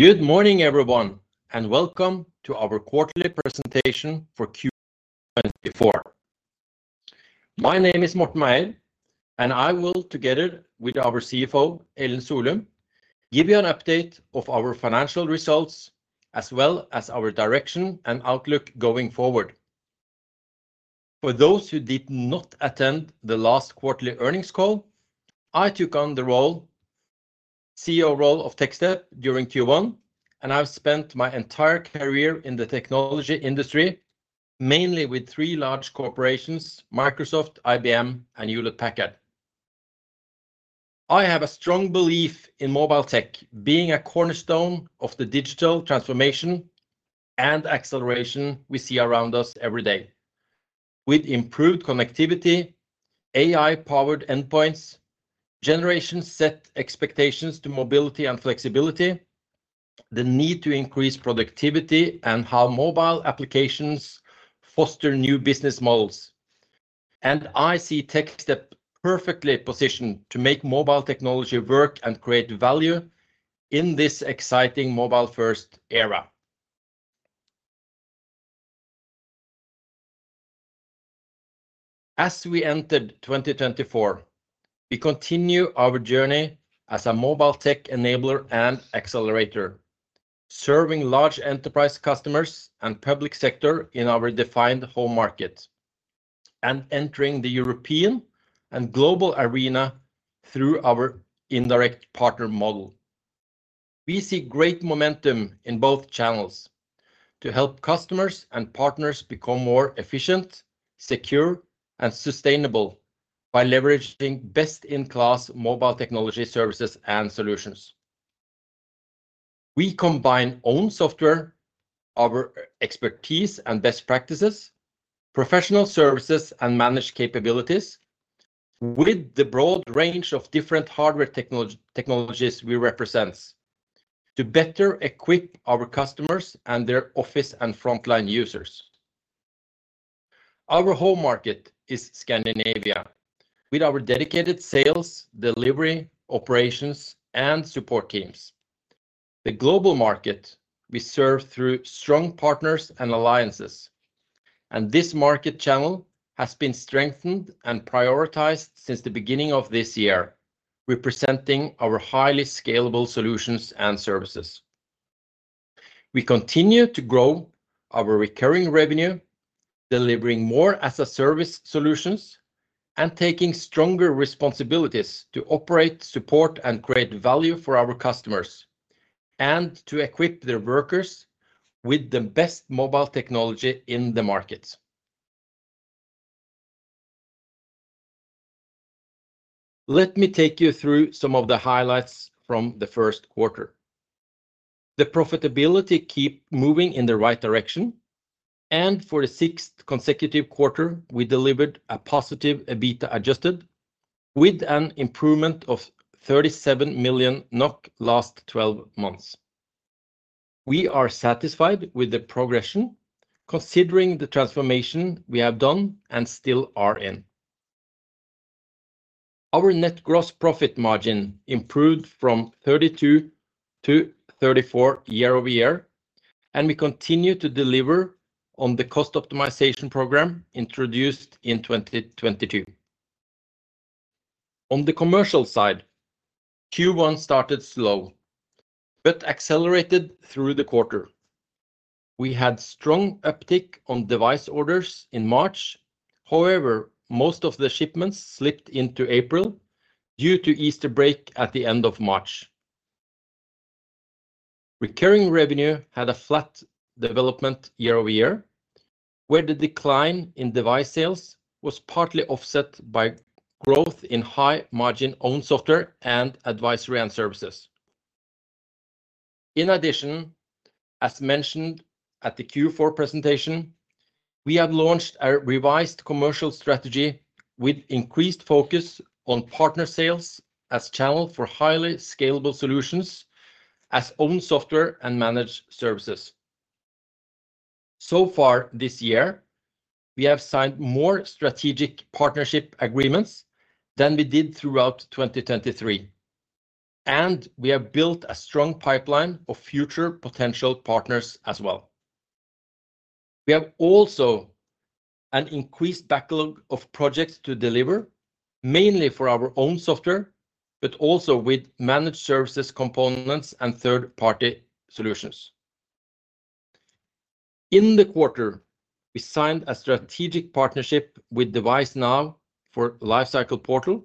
Good morning, everyone, and welcome to our quarterly presentation for Q1 2024. My name is Morten Meier, and I will, together with our CFO Ellen Solum, give you an update of our financial results as well as our direction and outlook going forward. For those who did not attend the last quarterly earnings call, I took on the CEO role of Techstep during Q1, and I've spent my entire career in the technology industry, mainly with three large corporations: Microsoft, IBM, and Hewlett Packard. I have a strong belief in mobile tech being a cornerstone of the digital transformation and acceleration we see around us every day. With improved connectivity, AI-powered endpoints, generations set expectations to mobility and flexibility, the need to increase productivity, and how mobile applications foster new business models, I see Techstep perfectly positioned to make mobile technology work and create value in this exciting mobile-first era. As we entered 2024, we continue our journey as a mobile tech enabler and accelerator, serving large enterprise customers and the public sector in our defined home market, and entering the European and global arena through our indirect partner model. We see great momentum in both channels to help customers and partners become more efficient, secure, and sustainable by leveraging best-in-class mobile technology services and solutions. We combine our own software, our expertise and best practices, professional services, and managed capabilities with the broad range of different hardware technologies we represent to better equip our customers and their office and frontline users. Our home market is Scandinavia, with our dedicated sales, delivery, operations, and support teams. The global market, we serve through strong partners and alliances, and this market channel has been strengthened and prioritized since the beginning of this year, representing our highly scalable solutions and services. We continue to grow our recurring revenue, delivering more as-a-service solutions, and taking stronger responsibilities to operate, support, and create value for our customers and to equip their workers with the best mobile technology in the market. Let me take you through some of the highlights from the first quarter. The profitability keeps moving in the right direction, and for the sixth consecutive quarter, we delivered a positive EBITDA adjusted with an improvement of 37 million NOK last 12 months. We are satisfied with the progression, considering the transformation we have done and still are in. Our net gross profit margin improved from 32%-34% year-over-year, and we continue to deliver on the cost optimization program introduced in 2022. On the commercial side, Q1 started slow but accelerated through the quarter. We had strong uptick on device orders in March. However, most of the shipments slipped into April due to Easter break at the end of March. Recurring revenue had a flat development year-over-year, where the decline in device sales was partly offset by growth in high-margin owned software and advisory services. In addition, as mentioned at the Q4 presentation, we have launched a revised commercial strategy with increased focus on partner sales as a channel for highly scalable solutions as owned software and managed services. So far this year, we have signed more strategic partnership agreements than we did throughout 2023, and we have built a strong pipeline of future potential partners as well. We have also an increased backlog of projects to deliver, mainly for our own software but also with managed services components and third-party solutions. In the quarter, we signed a strategic partnership with DeviceNow for Lifecycle Portal,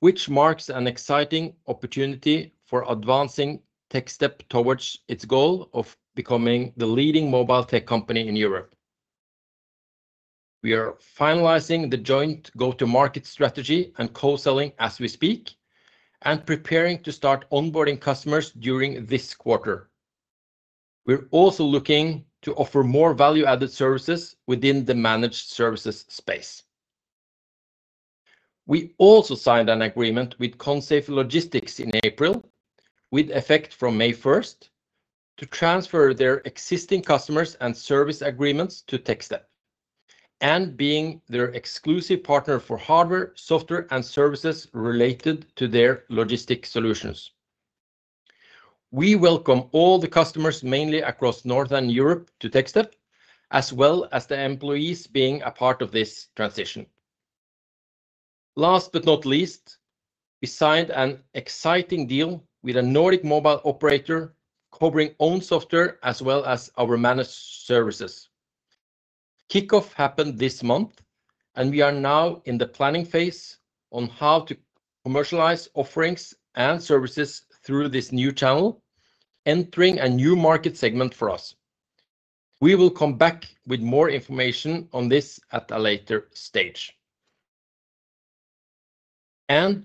which marks an exciting opportunity for advancing Techstep towards its goal of becoming the leading mobile tech company in Europe. We are finalizing the joint go-to-market strategy and co-selling as we speak and preparing to start onboarding customers during this quarter. We're also looking to offer more value-added services within the managed services space. We also signed an agreement with Consafe Logistics in April, with effect from May 1st, to transfer their existing customers and service agreements to Techstep and being their exclusive partner for hardware, software, and services related to their logistics solutions. We welcome all the customers, mainly across Northern Europe, to Techstep, as well as the employees being a part of this transition. Last but not least, we signed an exciting deal with a Nordic mobile operator covering owned software as well as our managed services. Kickoff happened this month, and we are now in the planning phase on how to commercialize offerings and services through this new channel, entering a new market segment for us. We will come back with more information on this at a later stage.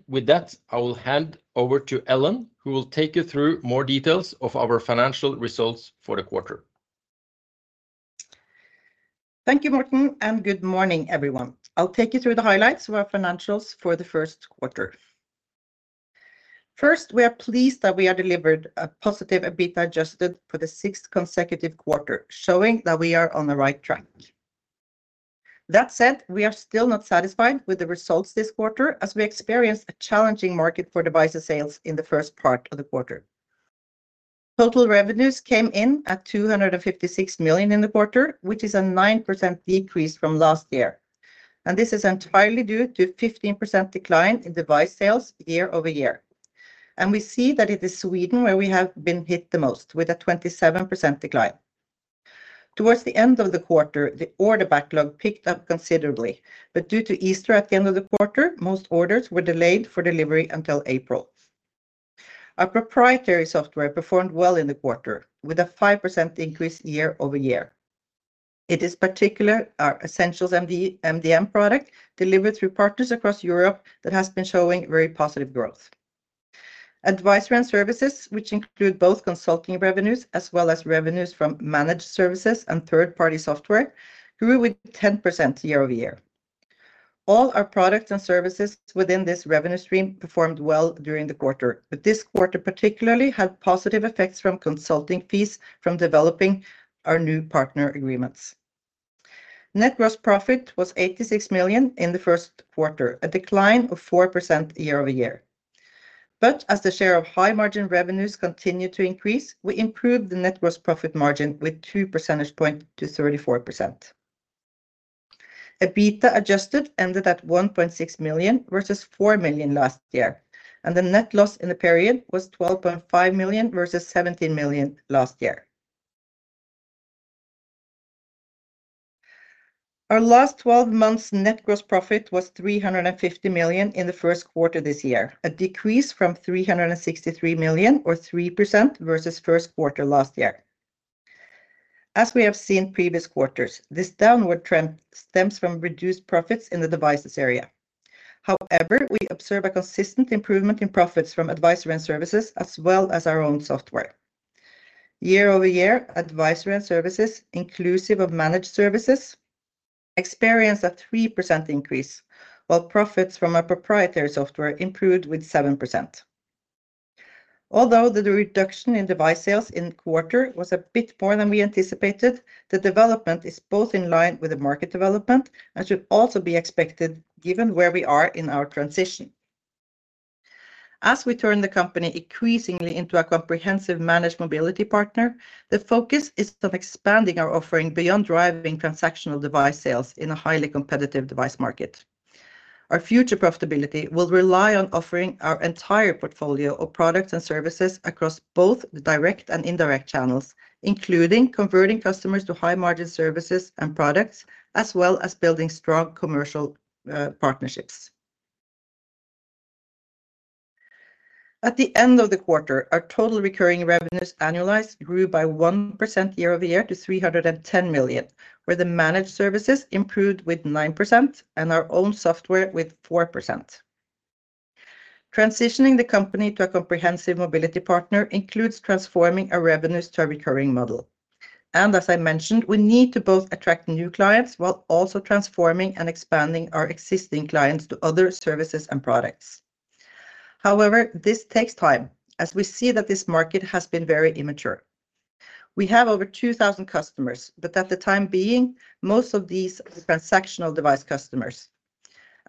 With that, I will hand over to Ellen, who will take you through more details of our financial results for the quarter. Thank you, Morten, and good morning, everyone. I'll take you through the highlights of our financials for the first quarter. First, we are pleased that we have delivered a positive EBITDA adjustment for the sixth consecutive quarter, showing that we are on the right track. That said, we are still not satisfied with the results this quarter as we experienced a challenging market for device sales in the first part of the quarter. Total revenues came in at 256 million in the quarter, which is a 9% decrease from last year. This is entirely due to a 15% decline in device sales year-over-year. We see that it is Sweden where we have been hit the most with a 27% decline. Towards the end of the quarter, the order backlog picked up considerably, but due to Easter at the end of the quarter, most orders were delayed for delivery until April. Our proprietary software performed well in the quarter with a 5% increase year-over-year. It is particularly our Essentials MDM product, delivered through partners across Europe, that has been showing very positive growth. Advisory and services, which include both consulting revenues as well as revenues from managed services and third-party software, grew with 10% year-over-year. All our products and services within this revenue stream performed well during the quarter, but this quarter particularly had positive effects from consulting fees from developing our new partner agreements. Net gross profit was 86 million in the first quarter, a decline of 4% year-over-year. But as the share of high-margin revenues continued to increase, we improved the net gross profit margin with 2 percentage points to 34%. EBITDA adjustment ended at 1.6 million versus 4 million last year, and the net loss in the period was 12.5 million versus 17 million last year. Our last 12 months' net gross profit was 350 million in the first quarter this year, a decrease from 363 million or 3% versus first quarter last year. As we have seen previous quarters, this downward trend stems from reduced profits in the devices area. However, we observe a consistent improvement in profits from advisory and services as well as our own software. Year-over-year, advisory and services, inclusive of managed services, experienced a 3% increase, while profits from our proprietary software improved with 7%. Although the reduction in device sales in quarter was a bit more than we anticipated, the development is both in line with the market development and should also be expected given where we are in our transition. As we turn the company increasingly into a comprehensive managed mobility partner, the focus is on expanding our offering beyond driving transactional device sales in a highly competitive device market. Our future profitability will rely on offering our entire portfolio of products and services across both the direct and indirect channels, including converting customers to high-margin services and products, as well as building strong commercial partnerships. At the end of the quarter, our total recurring revenues annualized grew by 1% year-over-year to 310 million, where the managed services improved with 9% and our own software with 4%. Transitioning the company to a comprehensive mobility partner includes transforming our revenues to a recurring model. As I mentioned, we need to both attract new clients while also transforming and expanding our existing clients to other services and products. However, this takes time as we see that this market has been very immature. We have over 2,000 customers, but at the time being, most of these are transactional device customers.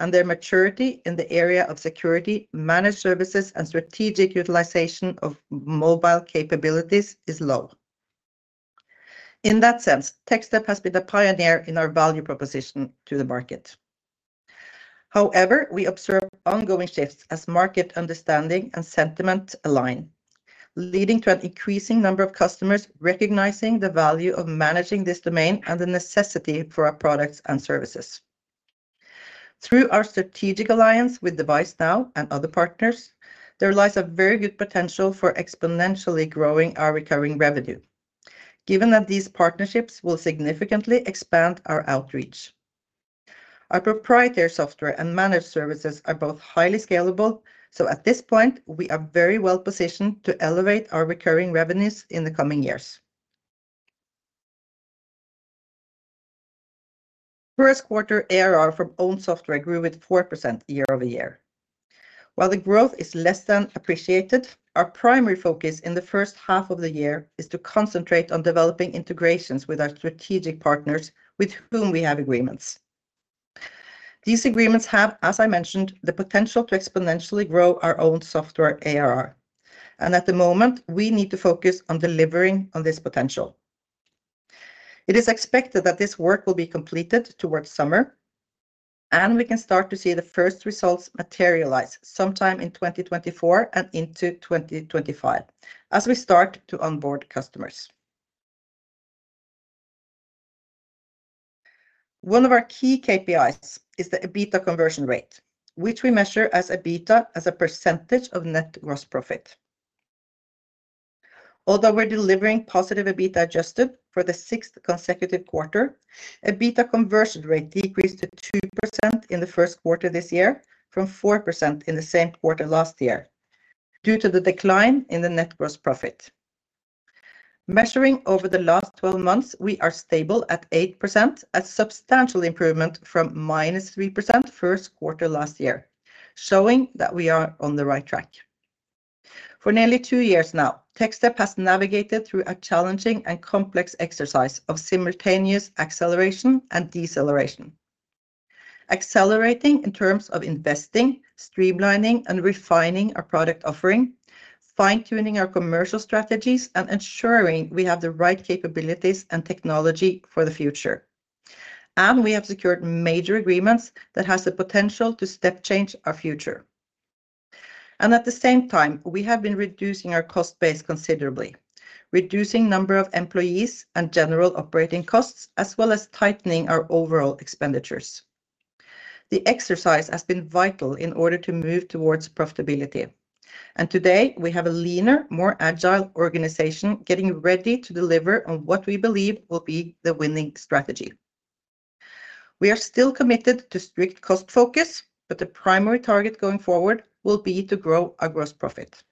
Their maturity in the area of security, managed services, and strategic utilization of mobile capabilities is low. In that sense, Techstep has been a pioneer in our value proposition to the market. However, we observe ongoing shifts as market understanding and sentiment align, leading to an increasing number of customers recognizing the value of managing this domain and the necessity for our products and services. Through our strategic alliance with DeviceNow and other partners, there lies a very good potential for exponentially growing our recurring revenue, given that these partnerships will significantly expand our outreach. Our proprietary software and managed services are both highly scalable, so at this point, we are very well positioned to elevate our recurring revenues in the coming years. First quarter ARR from owned software grew with 4% year-over-year. While the growth is less than appreciated, our primary focus in the first half of the year is to concentrate on developing integrations with our strategic partners with whom we have agreements. These agreements have, as I mentioned, the potential to exponentially grow our own software ARR. At the moment, we need to focus on delivering on this potential. It is expected that this work will be completed towards summer, and we can start to see the first results materialize sometime in 2024 and into 2025 as we start to onboard customers. One of our key KPIs is the EBITDA conversion rate, which we measure as EBITDA as a percentage of net gross profit. Although we're delivering positive EBITDA adjustment for the sixth consecutive quarter, EBITDA conversion rate decreased to 2% in the first quarter this year from 4% in the same quarter last year due to the decline in the net gross profit. Measuring over the last 12 months, we are stable at 8%, a substantial improvement from -3% first quarter last year, showing that we are on the right track. For nearly two years now, Techstep has navigated through a challenging and complex exercise of simultaneous acceleration and deceleration. Accelerating in terms of investing, streamlining, and refining our product offering, fine-tuning our commercial strategies, and ensuring we have the right capabilities and technology for the future. We have secured major agreements that have the potential to step change our future. At the same time, we have been reducing our cost base considerably, reducing the number of employees and general operating costs, as well as tightening our overall expenditures. The exercise has been vital in order to move towards profitability. Today, we have a leaner, more agile organization getting ready to deliver on what we believe will be the winning strategy. We are still committed to strict cost focus, but the primary target going forward will be to grow our gross profit.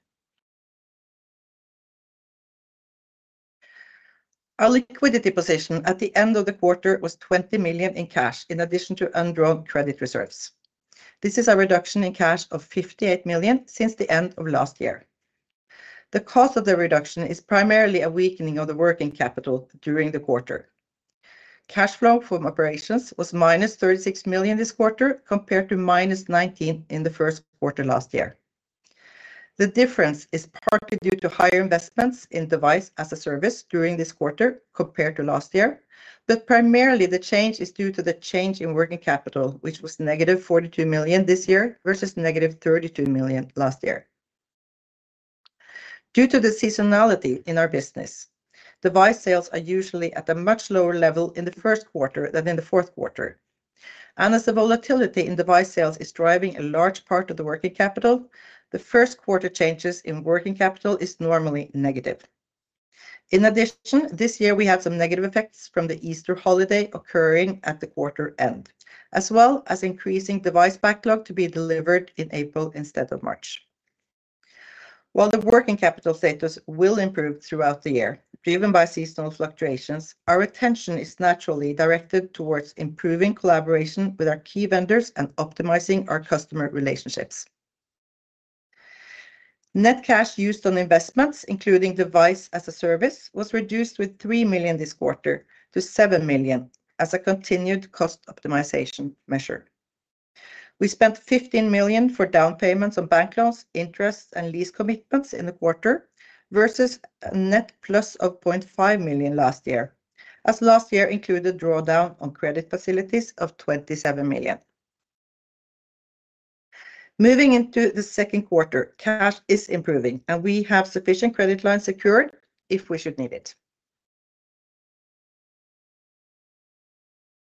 Our liquidity position at the end of the quarter was 20 million in cash in addition to undrawn credit reserves. This is a reduction in cash of 58 million since the end of last year. The cost of the reduction is primarily a weakening of the working capital during the quarter. Cash flow from operations was -36 million this quarter compared to -19 million in the first quarter last year. The difference is partly due to higher investments in Device as a Service during this quarter compared to last year, but primarily the change is due to the change in working capital, which was -42 million this year versus -32 million last year. Due to the seasonality in our business, device sales are usually at a much lower level in the first quarter than in the fourth quarter. As the volatility in device sales is driving a large part of the working capital, the first quarter changes in working capital are normally negative. In addition, this year, we had some negative effects from the Easter holiday occurring at the quarter end, as well as increasing device backlog to be delivered in April instead of March. While the working capital status will improve throughout the year driven by seasonal fluctuations, our attention is naturally directed towards improving collaboration with our key vendors and optimizing our customer relationships. Net cash used on investments, including Device as a Service, was reduced with 3 million this quarter to 7 million as a continued cost optimization measure. We spent 15 million for down payments on bank loans, interest, and lease commitments in the quarter versus a net plus of 0.5 million last year, as last year included a drawdown on credit facilities of 27 million. Moving into the second quarter, cash is improving, and we have sufficient credit lines secured if we should need it.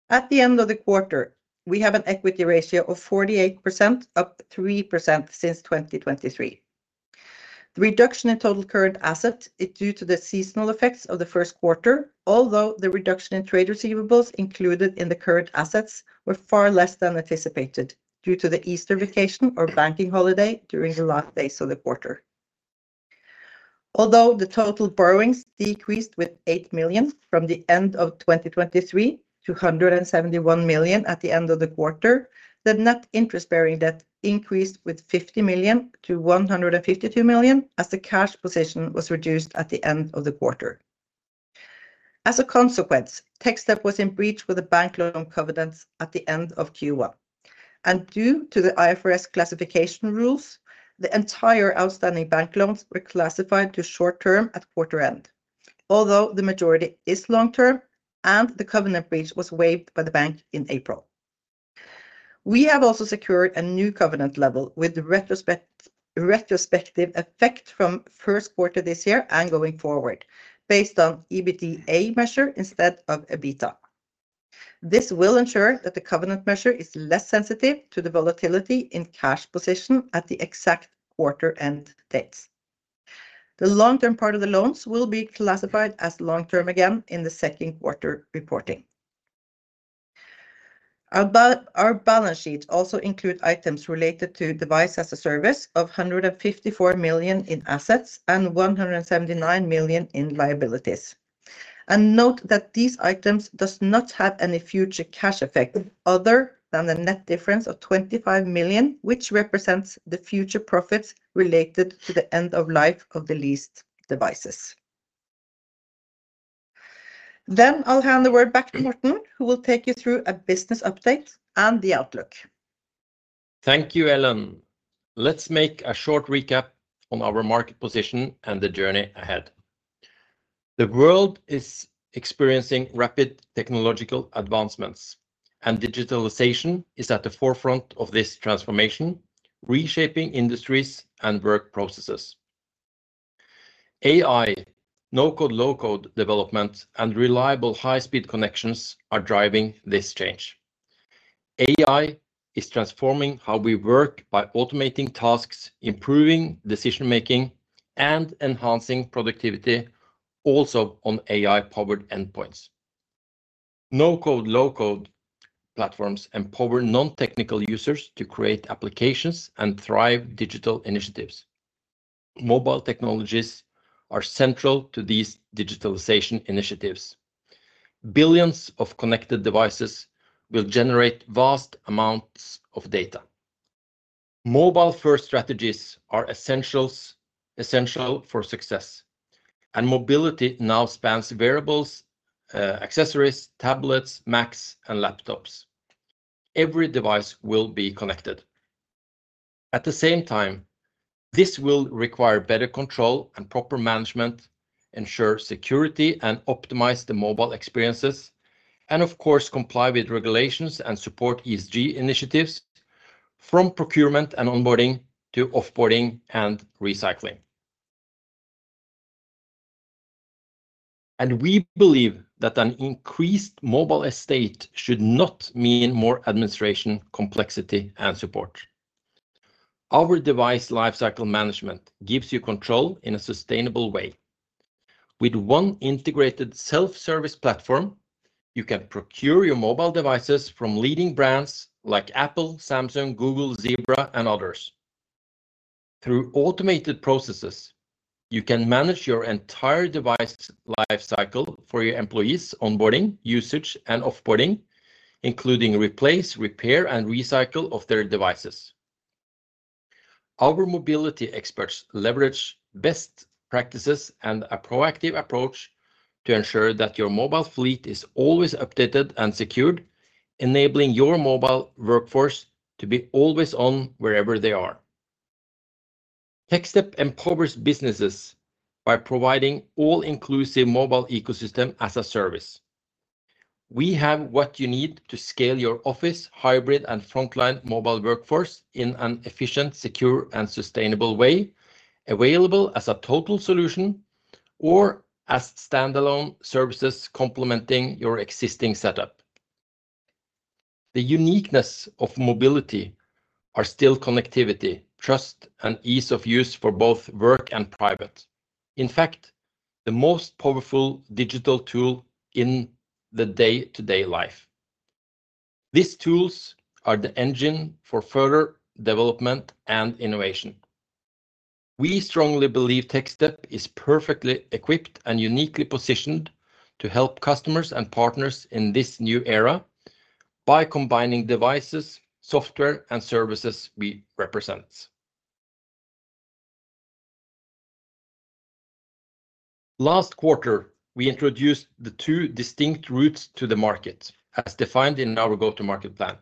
At the end of the quarter, we have an equity ratio of 48%, up 3% since 2023. The reduction in total current assets is due to the seasonal effects of the first quarter, although the reduction in trade receivables included in the current assets was far less than anticipated due to the Easter vacation or banking holiday during the last days of the quarter. Although the total borrowings decreased with 8 million from the end of 2023 to 171 million at the end of the quarter, the net interest bearing debt increased with 50 million to 152 million as the cash position was reduced at the end of the quarter. As a consequence, Techstep was in breach with the bank loan covenants at the end of Q1. Due to the IFRS classification rules, the entire outstanding bank loans were classified to short-term at quarter end, although the majority is long-term and the covenant breach was waived by the bank in April. We have also secured a new covenant level with the retrospective effect from first quarter this year and going forward based on EBITDA measure instead of EBITDA. This will ensure that the covenant measure is less sensitive to the volatility in cash position at the exact quarter-end dates. The long-term part of the loans will be classified as long-term again in the second quarter reporting. Our balance sheets also include items related to Device as a Service of 154 million in assets and 179 million in liabilities. And note that these items do not have any future cash effect other than the net difference of 25 million, which represents the future profits related to the end of life of the leased devices. Then I'll hand the word back to Morten, who will take you through a business update and the outlook. Thank you, Ellen. Let's make a short recap on our market position and the journey ahead. The world is experiencing rapid technological advancements, and digitalization is at the forefront of this transformation, reshaping industries and work processes. AI, no-code, low-code development, and reliable high-speed connections are driving this change. AI is transforming how we work by automating tasks, improving decision-making, and enhancing productivity, also on AI-powered endpoints. No-code, low-code platforms empower non-technical users to create applications and drive digital initiatives. Mobile technologies are central to these digitalization initiatives. Billions of connected devices will generate vast amounts of data. Mobile-first strategies are essential for success, and mobility now spans wearables, accessories, tablets, Macs, and laptops. Every device will be connected. At the same time, this will require better control and proper management, ensure security, and optimize the mobile experiences, and of course, comply with regulations and support ESG initiatives from procurement and onboarding to offboarding and recycling. We believe that an increased mobile estate should not mean more administration, complexity, and support. Our device lifecycle management gives you control in a sustainable way. With one integrated self-service platform, you can procure your mobile devices from leading brands like Apple, Samsung, Google, Zebra, and others. Through automated processes, you can manage your entire device lifecycle for your employees, onboarding, usage, and offboarding, including replace, repair, and recycle of their devices. Our mobility experts leverage best practices and a proactive approach to ensure that your mobile fleet is always updated and secured, enabling your mobile workforce to be always on wherever they are. Techstep empowers businesses by providing an all-inclusive mobile ecosystem as a service. We have what you need to scale your office, hybrid, and frontline mobile workforce in an efficient, secure, and sustainable way, available as a total solution or as standalone services complementing your existing setup. The uniqueness of mobility is still connectivity, trust, and ease of use for both work and private. In fact, the most powerful digital tool in the day-to-day life. These tools are the engine for further development and innovation. We strongly believe Techstep is perfectly equipped and uniquely positioned to help customers and partners in this new era by combining devices, software, and services we represent. Last quarter, we introduced the two distinct routes to the market as defined in our go-to-market plan.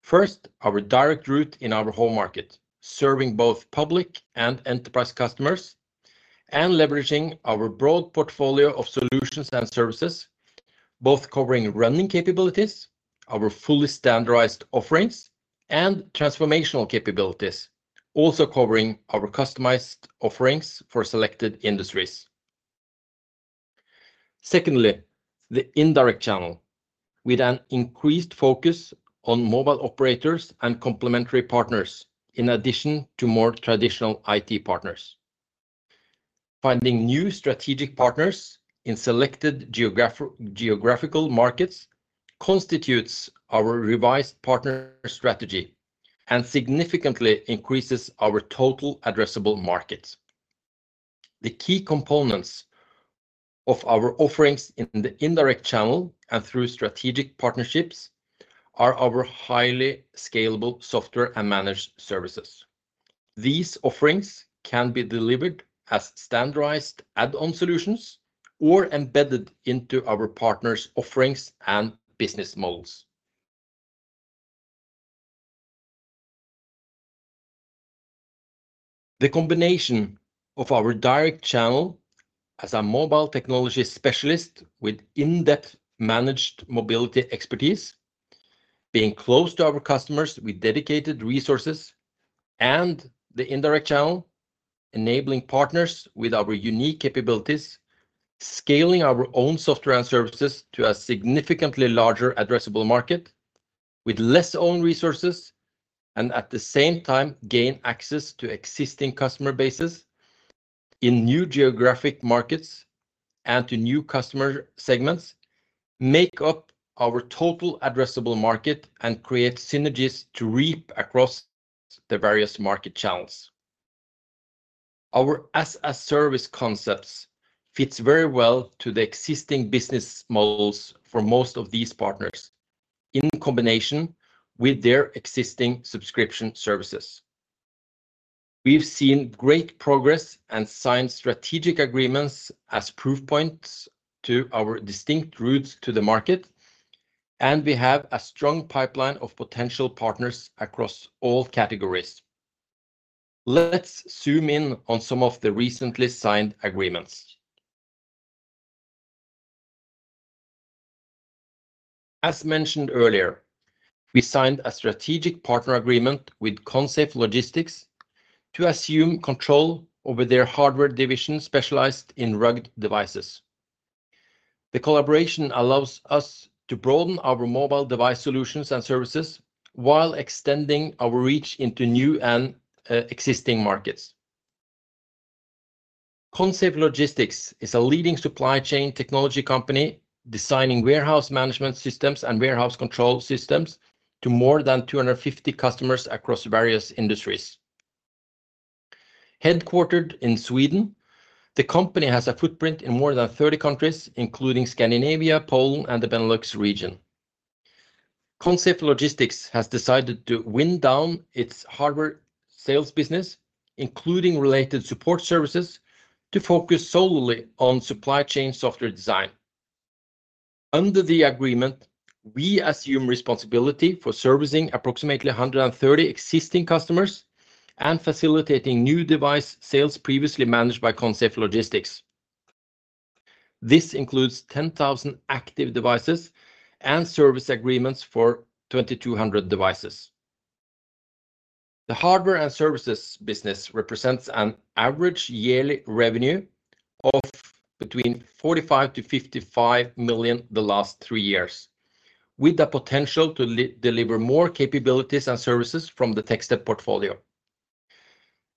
First, our direct route in our home market, serving both public and enterprise customers, and leveraging our broad portfolio of solutions and services, both covering running capabilities, our fully standardized offerings, and transformational capabilities, also covering our customized offerings for selected industries. Secondly, the indirect channel with an increased focus on mobile operators and complementary partners in addition to more traditional IT partners. Finding new strategic partners in selected geographical markets constitutes our revised partner strategy and significantly increases our total addressable markets. The key components of our offerings in the indirect channel and through strategic partnerships are our highly scalable software and managed services. These offerings can be delivered as standardized add-on solutions or embedded into our partners' offerings and business models. The combination of our direct channel as a mobile technology specialist with in-depth managed mobility expertise, being close to our customers with dedicated resources, and the indirect channel, enabling partners with our unique capabilities, scaling our own software and services to a significantly larger addressable market with less owned resources, and at the same time, gain access to existing customer bases in new geographic markets and to new customer segments, make up our total addressable market and create synergies to reap across the various market channels. Our as-a-service concepts fit very well to the existing business models for most of these partners in combination with their existing subscription services. We've seen great progress and signed strategic agreements as proof points to our distinct routes to the market, and we have a strong pipeline of potential partners across all categories. Let's zoom in on some of the recently signed agreements. As mentioned earlier, we signed a strategic partner agreement with Consafe Logistics to assume control over their hardware division specialized in rugged devices. The collaboration allows us to broaden our mobile device solutions and services while extending our reach into new and existing markets. Consafe Logistics is a leading supply chain technology company designing warehouse management systems and warehouse control systems to more than 250 customers across various industries. Headquartered in Sweden, the company has a footprint in more than 30 countries, including Scandinavia, Poland, and the Benelux region. Consafe Logistics has decided to wind down its hardware sales business, including related support services, to focus solely on supply chain software design. Under the agreement, we assume responsibility for servicing approximately 130 existing customers and facilitating new device sales previously managed by Consafe Logistics. This includes 10,000 active devices and service agreements for 2,200 devices. The hardware and services business represents an average yearly revenue of between 45 million-55 million the last three years, with the potential to deliver more capabilities and services from the Techstep portfolio.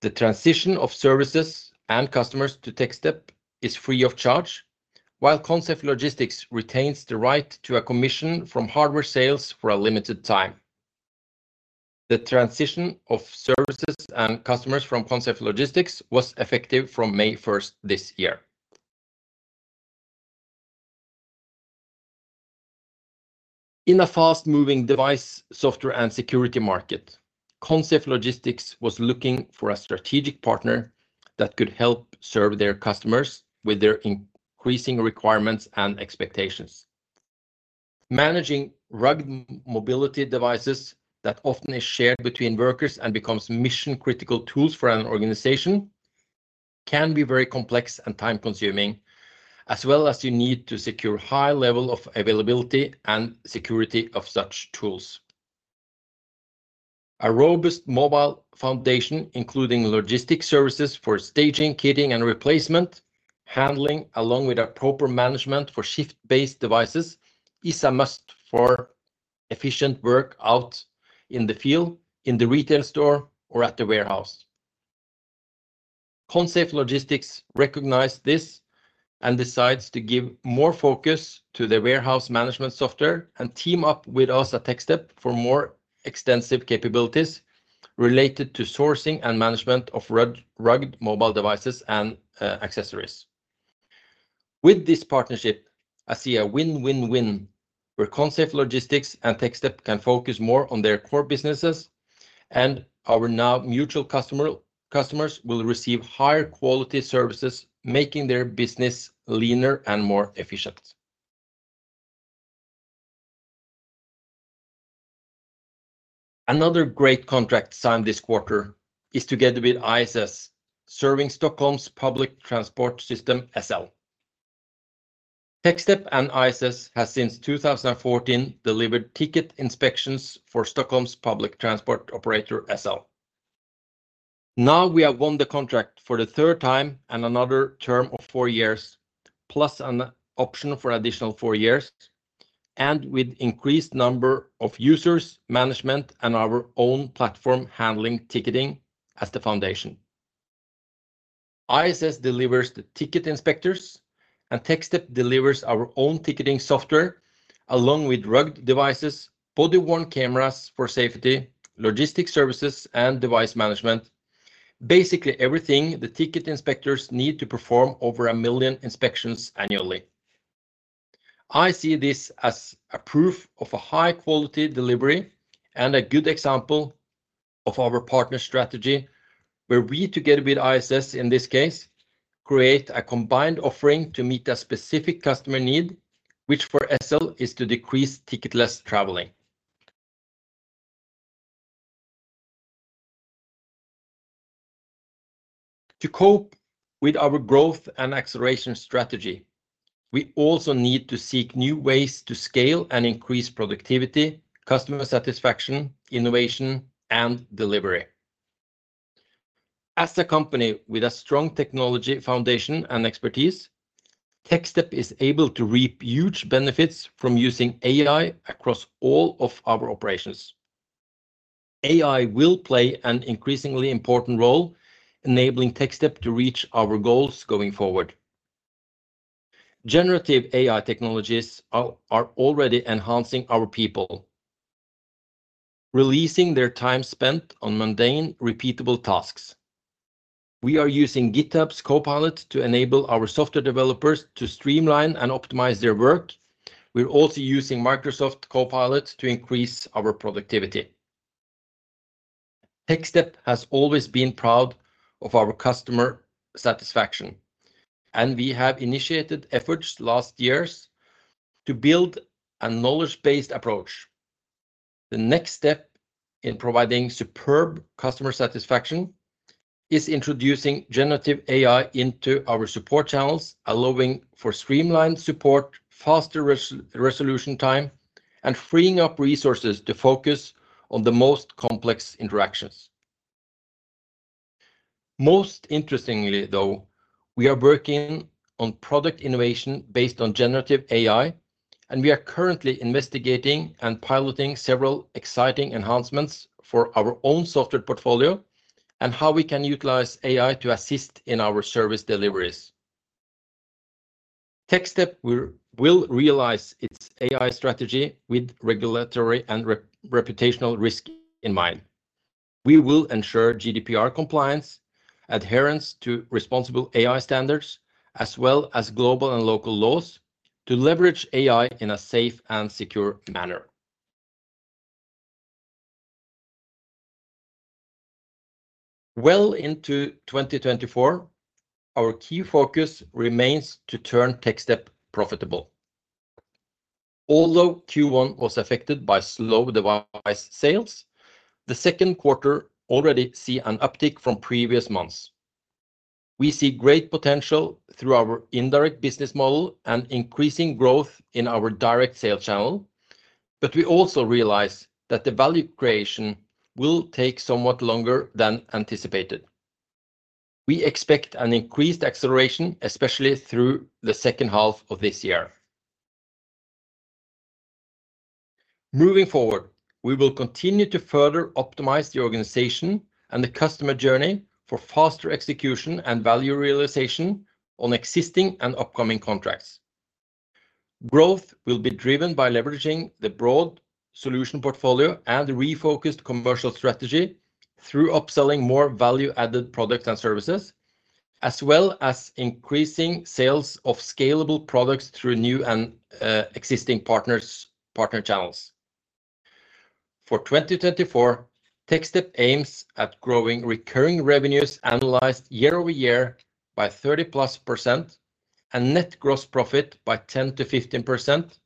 The transition of services and customers to Techstep is free of charge, while Consafe Logistics retains the right to a commission from hardware sales for a limited time. The transition of services and customers from Consafe Logistics was effective from May 1st this year. In a fast-moving device software and security market, Consafe Logistics was looking for a strategic partner that could help serve their customers with their increasing requirements and expectations. Managing rugged mobility devices that often is shared between workers and becomes mission-critical tools for an organization can be very complex and time-consuming, as well as you need to secure a high level of availability and security of such tools. A robust mobile foundation, including logistics services for staging, kitting, and replacement handling, along with proper management for shift-based devices, is a must for efficient work out in the field, in the retail store, or at the warehouse. Consafe Logistics recognized this and decided to give more focus to the warehouse management software and team up with us at Techstep for more extensive capabilities related to sourcing and management of rugged mobile devices and accessories. With this partnership, I see a win-win-win where Consafe Logistics and Techstep can focus more on their core businesses, and our now mutual customers will receive higher-quality services, making their business leaner and more efficient. Another great contract signed this quarter is together with ISS, serving Stockholm's public transport system, SL. Techstep and ISS have since 2014 delivered ticket inspections for Stockholm's public transport operator, SL. Now we have won the contract for the third time and another term of four years, plus an option for additional four years, and with an increased number of users, management, and our own platform handling ticketing as the foundation. ISS delivers the ticket inspectors, and Techstep delivers our own ticketing software along with rugged devices, body-worn cameras for safety, logistics services, and device management, basically everything the ticket inspectors need to perform over a million inspections annually. I see this as proof of a high-quality delivery and a good example of our partner strategy where we, together with ISS in this case, create a combined offering to meet a specific customer need, which for SL is to decrease ticketless traveling. To cope with our growth and acceleration strategy, we also need to seek new ways to scale and increase productivity, customer satisfaction, innovation, and delivery. As a company with a strong technology foundation and expertise, Techstep is able to reap huge benefits from using AI across all of our operations. AI will play an increasingly important role, enabling Techstep to reach our goals going forward. Generative AI technologies are already enhancing our people, releasing their time spent on mundane, repeatable tasks. We are using GitHub's Copilot to enable our software developers to streamline and optimize their work. We're also using Microsoft Copilot to increase our productivity. Techstep has always been proud of our customer satisfaction, and we have initiated efforts last years to build a knowledge-based approach. The next step in providing superb customer satisfaction is introducing generative AI into our support channels, allowing for streamlined support, faster resolution time, and freeing up resources to focus on the most complex interactions. Most interestingly, though, we are working on product innovation based on generative AI, and we are currently investigating and piloting several exciting enhancements for our own software portfolio and how we can utilize AI to assist in our service deliveries. Techstep will realize its AI strategy with regulatory and reputational risk in mind. We will ensure GDPR compliance, adherence to responsible AI standards, as well as global and local laws to leverage AI in a safe and secure manner. Well into 2024, our key focus remains to turn Techstep profitable. Although Q1 was affected by slow device sales, the second quarter already sees an uptick from previous months. We see great potential through our indirect business model and increasing growth in our direct sale channel, but we also realize that the value creation will take somewhat longer than anticipated. We expect an increased acceleration, especially through the second half of this year. Moving forward, we will continue to further optimize the organization and the customer journey for faster execution and value realization on existing and upcoming contracts. Growth will be driven by leveraging the broad solution portfolio and refocused commercial strategy through upselling more value-added products and services, as well as increasing sales of scalable products through new and existing partner channels. For 2024, Techstep aims at growing recurring revenues analyzed year-over-year by 30%+, a net gross profit by 10%-15%,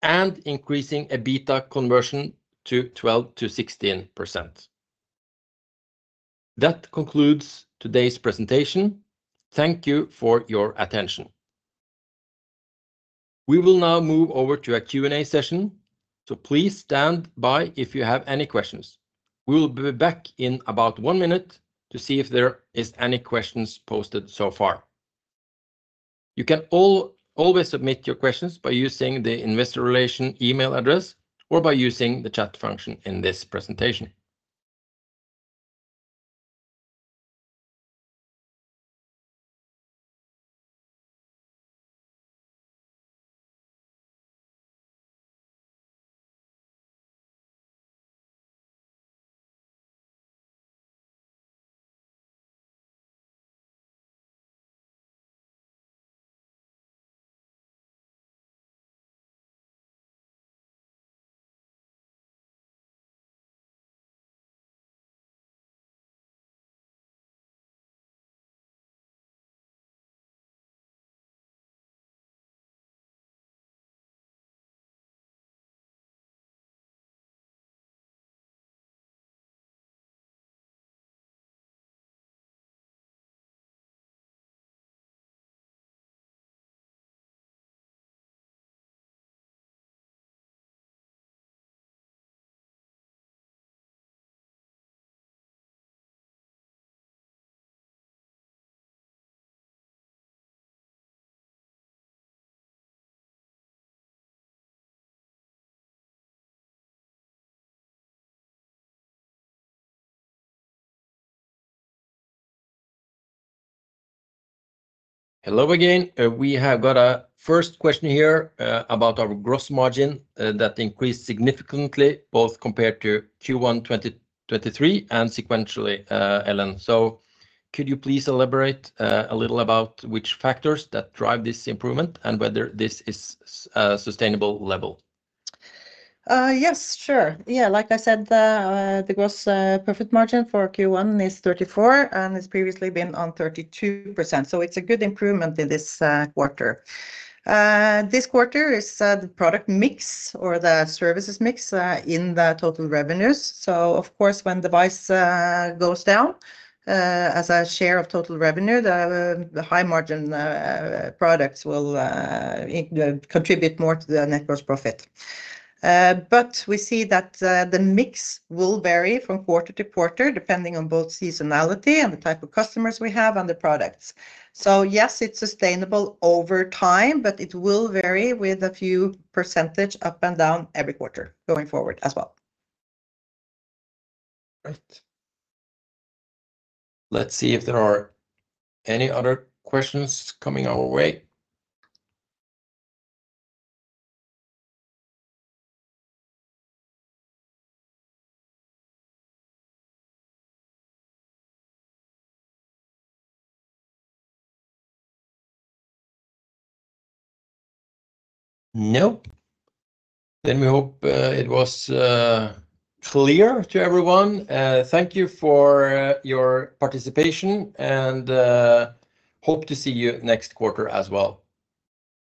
and increasing an EBITDA conversion to 12%-16%. That concludes today's presentation. Thank you for your attention. We will now move over to a Q&A session. So please stand by if you have any questions. We will be back in about one minute to see if there are any questions posted so far. You can always submit your questions by using the investor relations email address or by using the chat function in this presentation. Hello again. We have got a first question here about our gross margin that increased significantly both compared to Q1 2023 and sequentially, Ellen. So could you please elaborate a little about which factors that drive this improvement and whether this is sustainable level? Yes, sure. Yeah, like I said, the gross profit margin for Q1 is 34% and has previously been on 32%. So it's a good improvement in this quarter. This quarter is the product mix or the services mix in the total revenues. So of course, when device goes down as a share of total revenue, the high-margin products will contribute more to the net gross profit. But we see that the mix will vary from quarter to quarter depending on both seasonality and the type of customers we have and the products. So yes, it's sustainable over time, but it will vary with a few percentage up and down every quarter going forward as well. Great. Let's see if there are any other questions coming our way. Nope. Then we hope it was clear to everyone. Thank you for your participation and hope to see you next quarter as well.